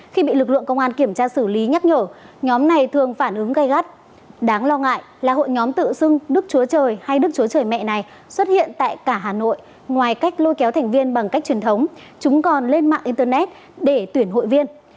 khi bị lực lượng công an kiểm tra xử lý nhắc nhở nhóm này thường phản ứng gây gắt đáng lo ngại là hội nhóm tự xưng đức chúa trời hay đức chúa trời mẹ này xuất hiện tại cả hà nội ngoài cách lôi kéo thành viên bằng cách truyền thống chúng còn lên mạng internet để tuyển hội viên